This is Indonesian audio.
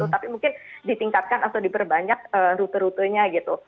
tapi mungkin ditingkatkan atau diperbanyak rute rutenya gitu